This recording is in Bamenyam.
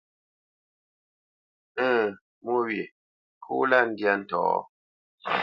Ə̂ŋ mwô wyê kó lâ ndyâ ntɔ̌.